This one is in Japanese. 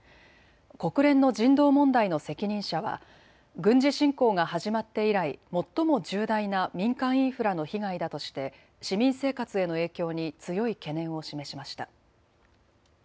国連の人道問題の責任者は軍事侵攻が始まって以来、最も重大な民間インフラの被害だとして市民生活への影響に強い懸念を示しました。